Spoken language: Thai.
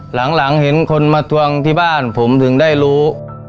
หลังเห็นคนมาทวงที่บ้านผมถึงได้รู้